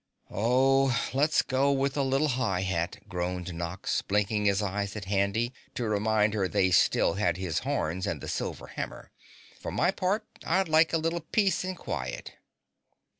"Oh, let's go with the Little High Hat," groaned Nox, blinking his eyes at Handy to remind her they still had his horns and the silver hammer. "For my part, I'd like a little peace and quiet."